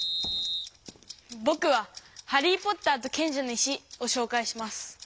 ぼくは「ハリー・ポッターと賢者の石」をしょうかいします。